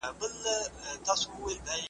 او یا منفی نظر ورکړي `